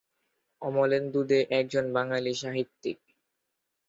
অমলেন্দু দে একজন বাঙালি সাহিত্যিক।